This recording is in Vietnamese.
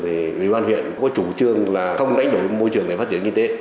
thì ủy ban huyện có chủ trương là không đánh đổi môi trường để phát triển kinh tế